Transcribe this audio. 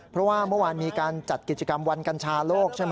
เพราะว่าเมื่อวานมีการจัดกิจกรรมวันกัญชาโลกใช่ไหม